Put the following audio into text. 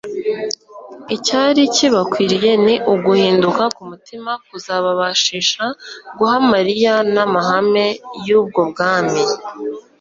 Icyari kibakwiriye ni uguhinduka k'umutima kuzababashisha guhamariya n'amahame y'ubwo bwami.